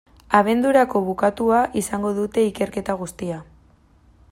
Abendurako bukatua izango dute ikerketa guztia.